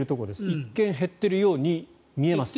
一見、減っているように見えます。